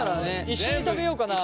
一緒に食べようかな。